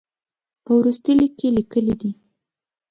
په وروستي لیک کې یې لیکلي دي.